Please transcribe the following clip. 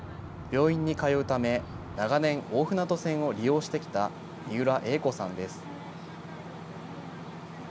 病院に通うため、長年、大船渡線を利用してきた三浦永子さんです。